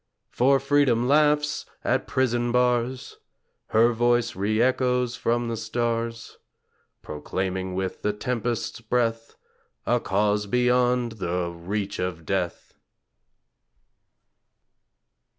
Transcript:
For Freedom laughs at prison bars Her voice re echoes from the stars; Proclaiming with the tempest's breath A Cause beyond the reach of death!